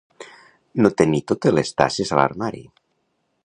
No tenir totes les tasses a l'armari.